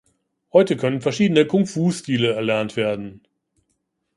Heute können verschiedene Kung-Fu-Stile erlernt werden.